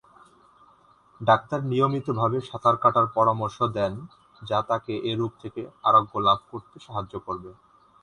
Doctor নিয়মিতভাবে সাঁতার কাটার পরামর্শ দেন যা তাকে এ রোগ থেকে আরোগ্য লাভ করতে সাহায্য করবে।